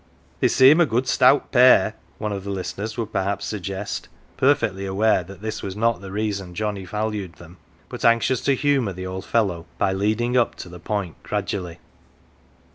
""" They seem a good stout pair," one of the listeners would perhaps suggest, perfectly aware that this was not the reason Johnnie valued them, but anxious to humour the old fellow by leading up to the point gradually.